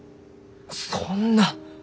そんな！？